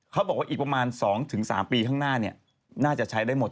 เขาบอกว่าอีกประมาณ๒๓ปีข้างหน้าน่าจะใช้ได้หมด